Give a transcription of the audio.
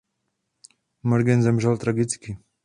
Morgan zemřel tragicky.